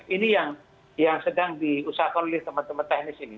ini yang sedang diusahakan oleh teman teman teknis ini